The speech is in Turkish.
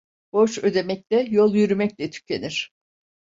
Borç ödemekle, yol yürümekle tükenir.